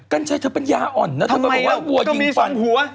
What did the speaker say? กัญชัยเธอเป็นยาอ่อนนะทำไมก็มีสองหัว